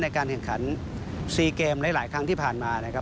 ในการแข่งขันซีเกมหลายครั้งที่ผ่านมา